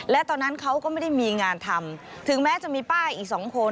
และตอนนั้นเขาก็ไม่ได้มีงานทำถึงแม้จะมีป้าอีกสองคน